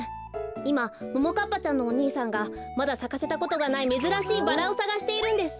いまももかっぱちゃんのお兄さんがまださかせたことがないめずらしいバラをさがしているんです。